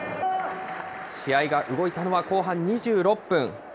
試合が動いたのは後半２６分。